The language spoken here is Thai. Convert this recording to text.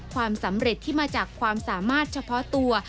ความสำเร็จที่มาจากความสามารถเฉพาะตัว